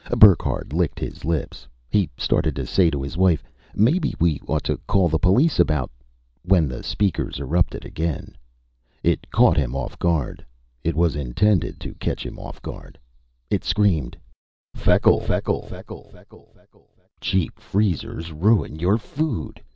Burckhardt licked his lips. He started to say to his wife, "Maybe we ought to call the police about " when the speakers erupted again. It caught him off guard; it was intended to catch him off guard. It screamed: "Feckle, Feckle, Feckle, Feckle, Feckle, Feckle, Feckle, Feckle. Cheap freezers ruin your food.